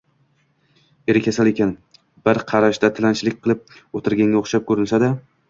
eri kasal ekan, bir qarashda tilanchilik qilib o‘tirganga o‘xshab ko‘rinsa-da